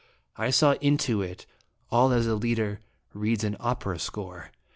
I saw into it all as a leader reads an opera score.